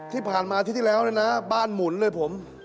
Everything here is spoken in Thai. ที่ผ่านมาที่ที่แล้วนะบ้านหมุนเลยผม